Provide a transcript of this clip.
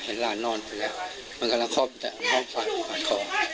เห็นร้านนอนไปแล้วมันกำลังคลอบแต่ห้องฝ่ายผ่านคอ